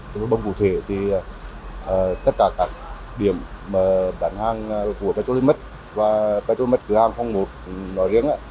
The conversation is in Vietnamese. tất cả các điểm bán hàng của petrolimax và petrolimax cửa hàng phong một nói riêng